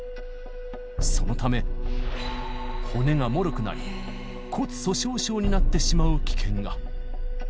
そのため、骨がもろくなり、骨粗しょう症になってしまう危険が。